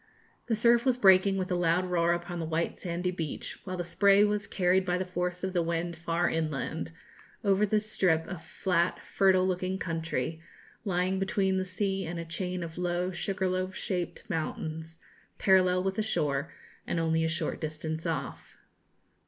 The surf was breaking with a loud roar upon the white sandy beach, while the spray was carried by the force of the wind far inland, over the strip of flat fertile looking country, lying between the sea and a chain of low sugarloaf shaped mountains, parallel with the shore, and only a short distance off.